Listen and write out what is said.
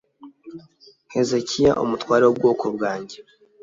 hezekiya umutware w ubwoko bwanjye